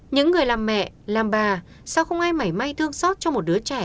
những người làm mẹ làm bà sao không ai mảy may thương sót cho một đứa trẻ